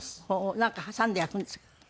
なんか挟んで焼くんですか？